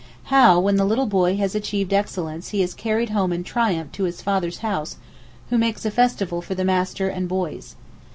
How when the little boy has achieved excellence he is carried home in triumph to his father's house, who makes a festival for the master and boys.